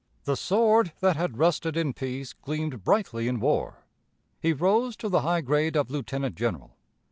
The sword that had rusted in peace gleamed brightly in war. He rose to the high grade of lieutenant general.